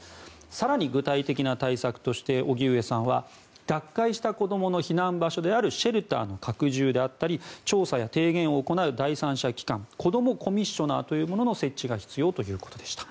更に具体的な対策として荻上さんは脱会した子供の避難場所であるシェルターの拡充であったり調査や提言を行う第三者機関子どもコミッショナーの設置が必要ということでした。